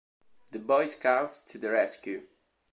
The Boy Scouts to the Rescue